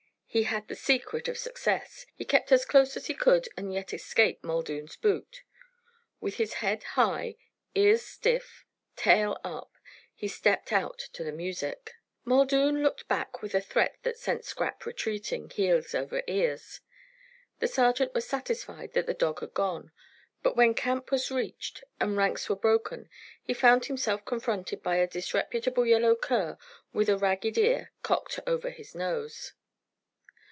He had the secret of success. He kept as close as he could and yet escape Muldoon's boot. With his head high, ears stiff, tail up, he stepped out to the music. Muldoon looked back with a threat that sent Scrap retreating, heels over ears. The sergeant was satisfied that the dog had gone; but when camp was reached and ranks were broken he found himself confronted by a disreputable yellow cur with a ragged ear cocked over his nose.